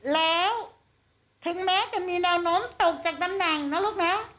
แล้วถึงแม้จะมีแนวโน้มตกจากตำแหน่งนะลูกนะ